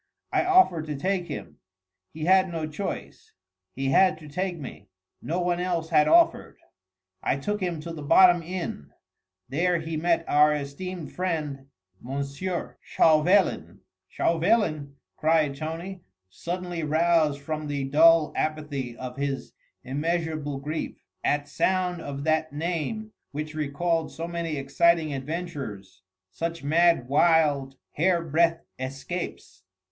I offered to take him. He had no choice. He had to take me. No one else had offered. I took him to the Bottom Inn. There he met our esteemed friend M. Chauvelin...." "Chauvelin!" cried Tony, suddenly roused from the dull apathy of his immeasurable grief, at sound of that name which recalled so many exciting adventures, such mad, wild, hair breadth escapes.